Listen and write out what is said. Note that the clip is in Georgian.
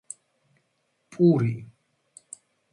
პური